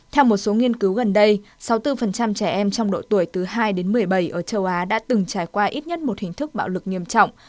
theo một số nghiên cứu gần đây sáu mươi bốn trẻ em trong độ tuổi từ hai đến một mươi bảy ở châu á đã từng trải qua ít nhất một hình thức bạo lực nghiêm trọng